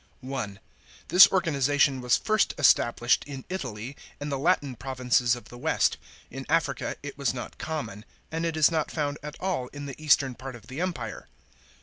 (1) This organisation was first established in Italy, and the Latin provinces of the west. In Africa it was not common, and it is not found at all in the eastern part of the Empire.